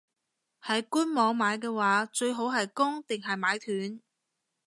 喺官網買嘅話，最好係供定係買斷?